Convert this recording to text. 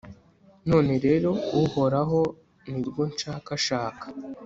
none rero, uhoraho, ni rwo nshakashaka